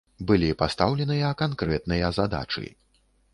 Былі пастаўленыя канкрэтныя задачы.